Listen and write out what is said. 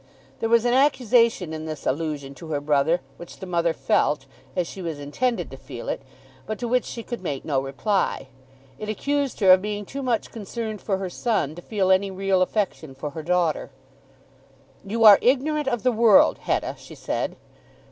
There was an accusation in this allusion to her brother which the mother felt, as she was intended to feel it, but to which she could make no reply. It accused her of being too much concerned for her son to feel any real affection for her daughter. "You are ignorant of the world, Hetta," she said.